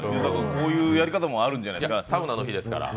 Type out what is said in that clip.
こういうやり方もあるんじゃないですか。